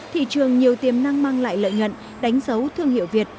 thị trường nhiều tiềm năng mang lại lợi nhuận đánh dấu thương hiệu việt